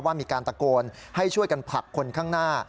ว่ามีการตะโกนให้ช่วยกันผลักคนข้างหน้า